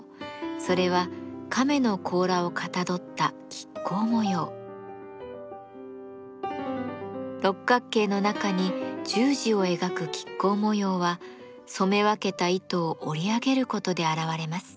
それは亀の甲羅をかたどった六角形の中に十字を描く亀甲模様は染め分けた糸を織り上げることで現れます。